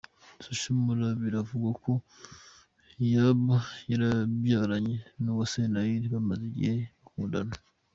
Social Mula biravugwa ko yaba yarabyaranye na Uwase Naila bamaze igihe bakundana .